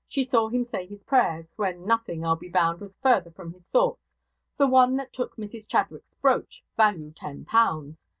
she saw him say his prayers, when nothing, I'll be bound, was further from his thoughts; the one that took Mrs Chadwick's brooch, value ten pounds.